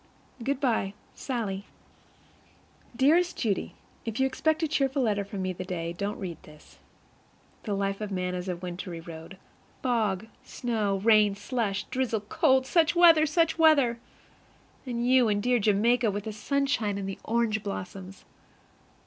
Good by, SALLIE. Dearest Judy: If you expect a cheerful letter from me the day, don't read this. The life of man is a wintry road. Fog, snow, rain, slush, drizzle, cold such weather! such weather! And you in dear Jamaica with the sunshine and the orange blossoms!